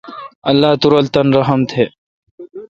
اللہ تو رل تان رحم تھ۔